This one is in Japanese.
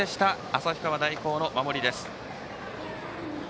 旭川大高の守りです。